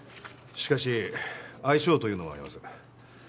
しかし相性というのもあります。